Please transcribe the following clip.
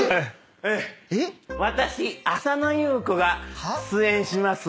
私浅野ゆう子が出演します